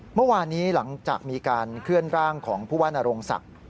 เมื่อวานนี้หลังจากมีการเคลื่อนร่างของผู้ว่านโรงศักดิ์